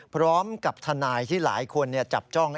พร้อมกับทนายที่หลายคนจับจ้อง